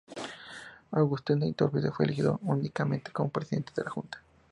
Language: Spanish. Agustin de Iturbide fue elegido unánimemente como Presidente de la Junta.